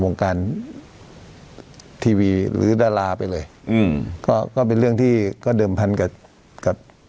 วงการทีวีหรือดาราไปเลยอืมก็ก็เป็นเรื่องที่ก็เดิมพันกับกับ